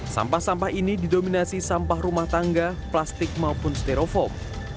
sampah sampah ini didominasi sampah rumah tangga plastik maupun stereofoam